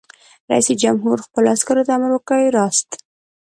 رئیس جمهور خپلو عسکرو ته امر وکړ؛ راست!